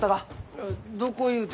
えっどこ言うて。